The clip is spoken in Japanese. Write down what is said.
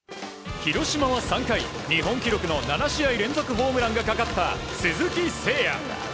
広島は３回日本記録の７試合連続ホームランがかかった鈴木誠也。